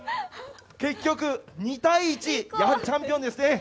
結局、２−１、チャンピオンですね。